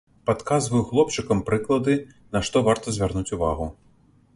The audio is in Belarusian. Падказваю хлопчыкам прыклады, на што варта звярнуць увагу.